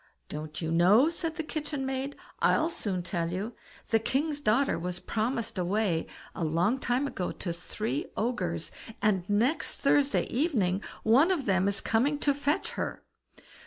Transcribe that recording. "Don't you know?" said the kitchen maid; "I'll soon tell you: the king's daughter was promised away a long time ago to three ogres, and next Thursday evening one of them is coming to fetch her.